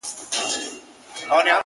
د ساغورث سختې قضيې؛ راته راوبهيدې؛